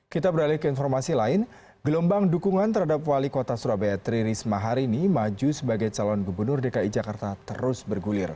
kita beralih ke informasi lain gelombang dukungan terhadap wali kota surabaya tri risma hari ini maju sebagai calon gubernur dki jakarta terus bergulir